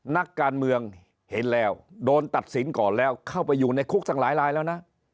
นักการเมืองเห็นแล้วโดนตัดสินก่อนแล้วเข้าไปอยู่ในคุกทั้งหลายลายแล้วนะ